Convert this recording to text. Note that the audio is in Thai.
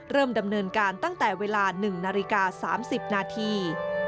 เริ่มดำเนินการตั้งแต่เวลา๑นาฬิกา๓๐นาที